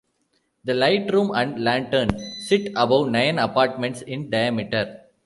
The lightroom and lantern sit above nine apartments in diameter.